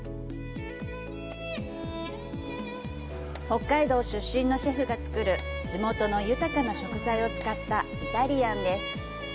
北海道出身のシェフが作る地元の豊かな食材を使ったイタリアンです。